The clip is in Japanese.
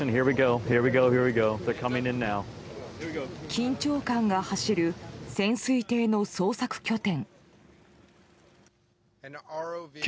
緊張感が走る潜水艇の捜索拠点。